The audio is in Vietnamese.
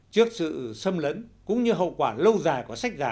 trước sự xâm lấn cũng như hậu quả lâu dài của sách giả